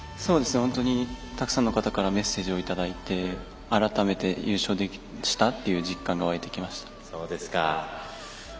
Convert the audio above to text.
たくさんの方からメッセージをいただいて改めて優勝したっていう実感がわいてきました。